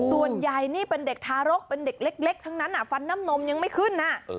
ส่วนใหญ่นี่เป็นเด็กทารกเป็นเด็กเล็กทั้งนั้นฟันน้ำนมยังไม่ขึ้น